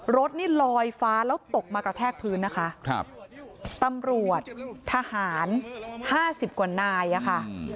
รถนี่ลอยฟ้าแล้วตกมากระแทกพื้นนะคะครับตำรวจทหารห้าสิบกว่านายอะค่ะ